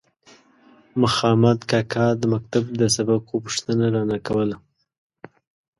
مخامد کاکا د مکتب د سبقو پوښتنه رانه کوله.